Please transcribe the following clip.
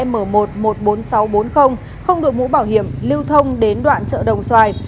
chín mươi ba m một trăm một mươi bốn nghìn sáu trăm bốn mươi không được mũ bảo hiểm lưu thông đến đoạn chợ đồng xoài